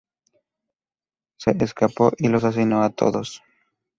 Se escapó y los asesinó a todos.